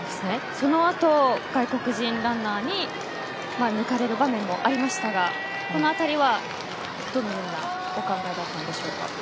その後、外国人ランナーに抜かれる場面もありましたがこのあたりはどのようなお考えでしたか。